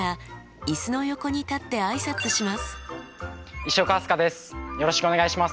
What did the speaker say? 石岡飛鳥です。